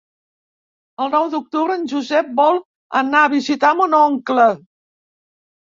El nou d'octubre en Josep vol anar a visitar mon oncle.